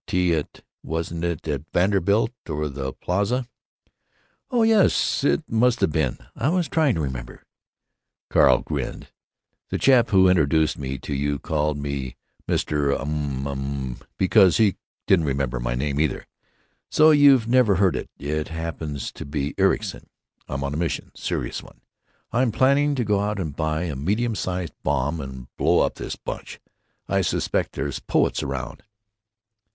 Tea at—wasn't it at the Vanderbilt? or the Plaza?" "Oh yes, that must have been——I was trying to remember——" Carl grinned. "The chap who introduced me to you called me 'Mr. Um m m,' because he didn't remember my name, either. So you've never heard it. It happens to be Ericson.... I'm on a mission. Serious one. I'm planning to go out and buy a medium sized bomb and blow up this bunch. I suspect there's poets around."